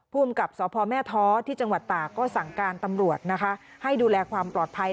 ภูมิกับสพแม่ท้อที่จังหวัดตากก็สั่งการตำรวจนะคะให้ดูแลความปลอดภัย